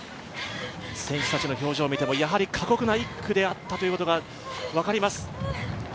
選手たちの表情を見ても過酷な１区であったことが分かります。